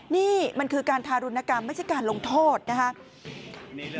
นี่มันคือการทารุณกรรมไม่ใช่การลงโทษนะครับ